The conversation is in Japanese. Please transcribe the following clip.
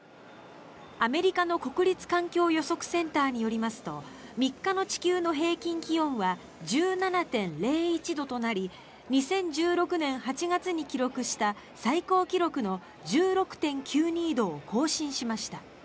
アメリカの国立環境予測センターによりますと３日の地球の平均気温は１７．０１度となり２０１６年８月に記録した最高記録の１６．９２度を更新しました。